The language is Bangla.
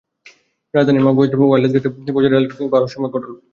রাজধানীর মগবাজার ওয়্যারলেস গেটে পৌঁছে রেলক্রসিং পার হওয়ার সময় ঘটল দুর্ঘটনা।